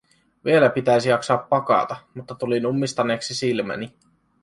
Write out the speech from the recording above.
Vielä pitäisi jaksaa pakata, mutta tulin ummistaneeksi silmäni.